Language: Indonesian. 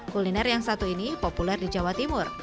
kuliner yang satu ini populer di jawa timur